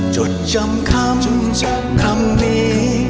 จดจำคำคำนี้